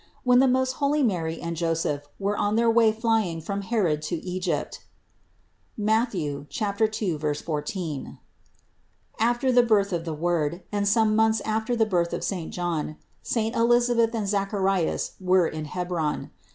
When the most holy Mary and Joseph were on their way flying from Herod to Egypt (Matth, 2, 14) after the birth of the Word and some months after the birth of saint John, saint Elisabeth and Zacharias were in Hebron.